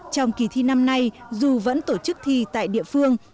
trong kỳ thi năm nay dù vẫn tổ chức thi tại địa phương